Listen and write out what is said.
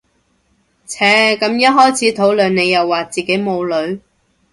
唓咁一開始討論你又話自己冇女